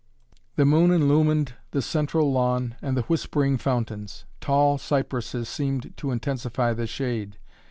The moon illumined the central lawn and the whispering fountains. Tall cypresses seemed to intensify the shade.